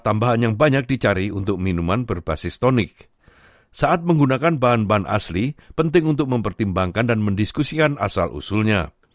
tapi kemudian anda bisa menerima kembali ke montreux atau apapun yang anda rasakan